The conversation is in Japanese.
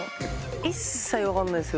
一切分からないです。